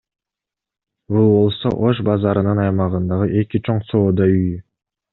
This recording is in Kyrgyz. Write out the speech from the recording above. Бул болсо Ош базарынын аймагындагы эки чоң соода үйү.